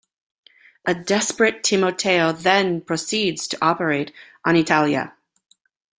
A desperate Timoteo then proceeds to operate on Italia.